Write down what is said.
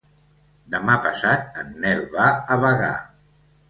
Demà passat en Nel va a Bagà.